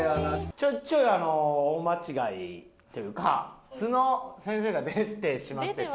ちょいちょいあのお間違いというか素の先生が出てしまってて。